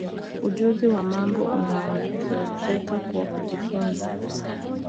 ujuzi wa mambo unaongezeka kwa kujifunza